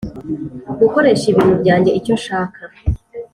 gukoresha ibintu byanjye icyo nshaka